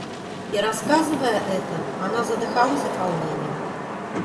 И, рассказывая это, она задыхалась от волнения.